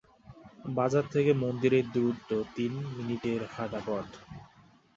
বাজার থেকে মন্দিরের দূরত্ব তিন মিনিটের হাঁটা পথ।